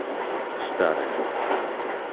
старая